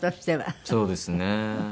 そうですね。